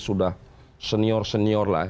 sudah senior senior lah